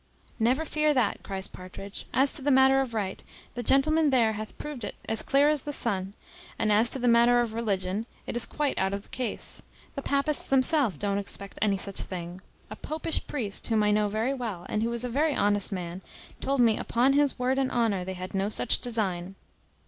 "Never fear that," cries Partridge. "As to the matter of right, the gentleman there hath proved it as clear as the sun; and as to the matter of religion, it is quite out of the case. The papists themselves don't expect any such thing. A popish priest, whom I know very well, and who is a very honest man, told me upon his word and honour they had no such design."